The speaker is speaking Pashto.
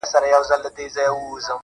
خراب خراب دي کړم چپه دي کړمه-